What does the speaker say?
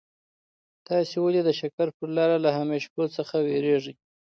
تاسي ولي د شکر پر لاره له همېشهو څخه وېرېږئ؟